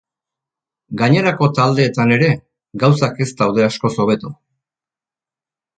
Gainerako taldeetan ere, gauzak ez daude askoz hobeto.